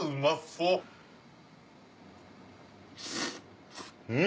うん！